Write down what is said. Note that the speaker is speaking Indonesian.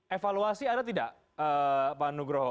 evaluasi ada tidak pak nugroho